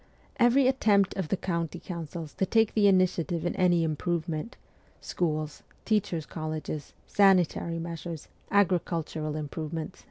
Every attempt of the county councils to take the initiative in any improvement schools, teachers' colleges, sanitary measures, agricul tural improvements, &c.